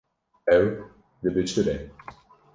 Ew dibişire.